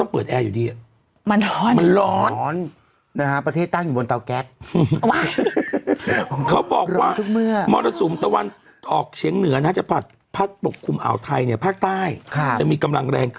ปีนี้มีแต่อาจจะสั้นมากนิดนึงเท่านั้นเอง